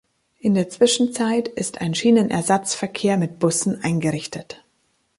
In der Zwischenzeit ist ein Schienenersatzverkehr mit Bussen eingerichtet.